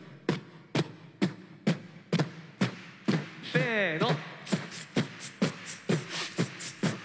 せの。